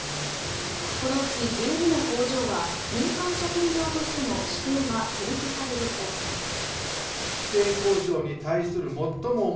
このうち、１２の工場は民間車検場としての指定が取り消される方針です。